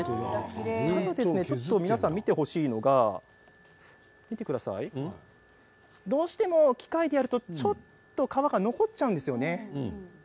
ただ、皆さんちょっと見てほしいのがどうしても機械でやるとちょっと皮が残っちゃうんですよね。